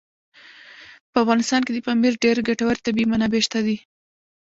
په افغانستان کې د پامیر ډېرې ګټورې طبعي منابع شته دي.